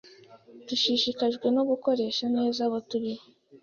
dushishikajwe no gukoresha neza abo turi bo